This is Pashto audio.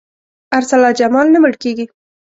ارسلا جمال نه مړ کېږي.